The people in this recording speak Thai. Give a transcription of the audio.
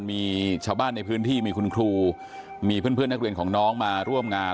มีชาวบ้านในพื้นที่มีคุณครูมีเพื่อนนักเรียนของน้องมาร่วมงาน